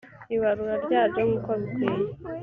ibarura ryabyo nk uko bikwiye